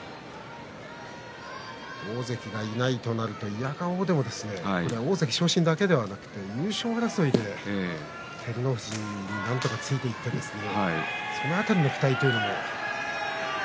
大関がいないとなるといやがおうでも大関昇進だけではなく優勝争いで照ノ富士になんとかついていってその辺りの期待というのも。